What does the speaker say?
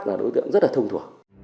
là đối tượng rất là thông thủ